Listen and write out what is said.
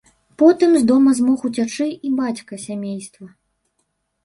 Потым з дома змог уцячы і бацька сямейства.